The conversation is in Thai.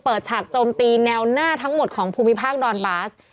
ฉากโจมตีแนวหน้าทั้งหมดของภูมิภาคดอนบาส